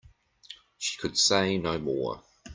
She could say no more.